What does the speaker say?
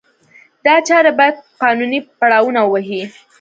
دا چارې باید قانوني پړاونه ووهي.